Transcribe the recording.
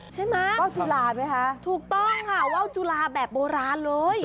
ใช่ไหมครับถูกต้องว้าวจุลาแบบโบราณป๊ะคะ